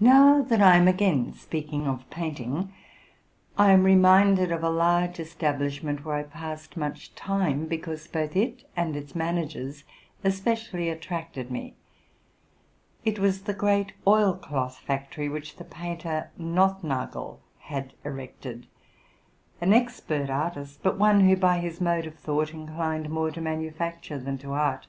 Now that I am again speaking of painting, I am reminded of a large establishment, where I passed much time, because both it 'and its managers especially attracted me. It was the great oil cloth factory which the painter Nothnagel had erected, an expert artist, but one who by his mode of thought inclined more to manufacture than to art.